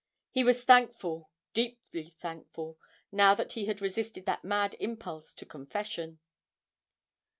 He was thankful, deeply thankful now that he had resisted that mad impulse to confession.